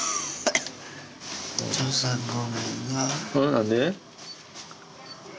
何で？